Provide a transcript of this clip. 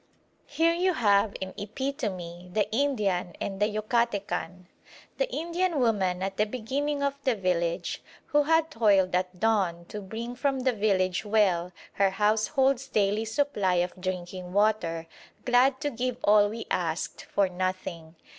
Here you have in epitome the Indian and the Yucatecan. The Indian woman at the beginning of the village, who had toiled at dawn to bring from the village well her household's daily supply of drinking water, glad to give all we asked for nothing.